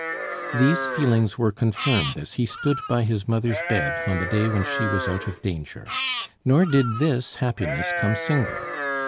These feelings were confirmed as he stood by his mother's bed on the day when she was out of danger. Nor did this happiness come single.